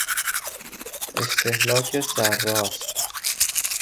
استهلاک سرراست